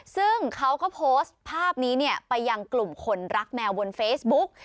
ซึ่งเขาก็โพสต์ภาพนี้ไปยังกลุ่มคนรักแมวบนเฟซบุ๊ก